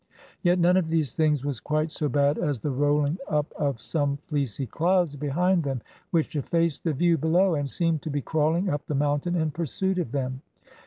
Yet none of these things was quite so bad as the rolling up of some fleecy clouds behind them, which effaced the view below, and seemed to be crawling up the mountain in pursuit of them.